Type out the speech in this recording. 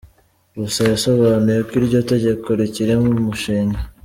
Gusa yasobanuye ko iryo tegeko rikiri umushinga.